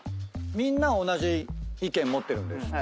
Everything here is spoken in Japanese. みんな同じ意見持ってるんですって。